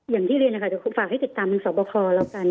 อย่างที่เรียนฝากให้ติดตามทางศาลบ่อคอแล้วกัน